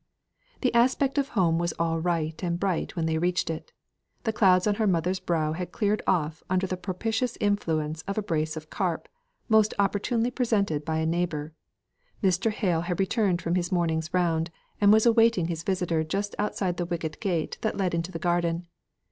The aspect of home was all right and bright when they reached it. The clouds on her mother's brow had cleared off under the propitious influence of a brace of carp, most opportunely presented by a neighbour. Mr. Hale had returned from his morning's round, and was awaiting his visitor just outside the wicket gate that led into the garden.